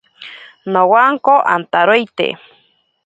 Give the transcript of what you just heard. Nowanko antaroite.